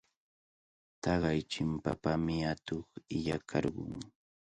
Taqay chimpapami atuq illakarqun.